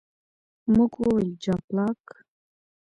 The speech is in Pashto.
موږ وویل، جاپلاک.